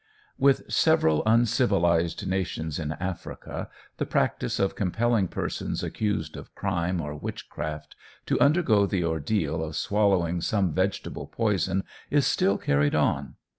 With several uncivilised nations in Africa, the practice of compelling persons accused of crime or witchcraft to undergo the ordeal of swallowing some vegetable poison is still carried on.